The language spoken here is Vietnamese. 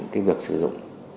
cái việc sử dụng